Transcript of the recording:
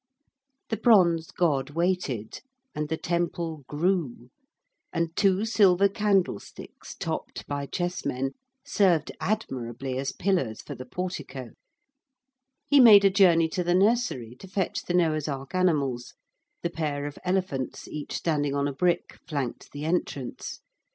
The bronze god waited and the temple grew, and two silver candlesticks, topped by chessmen, served admirably as pillars for the portico. He made a journey to the nursery to fetch the Noah's Ark animals the pair of elephants, each standing on a brick, flanked the entrance.